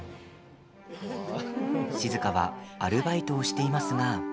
静はアルバイトをしていますが。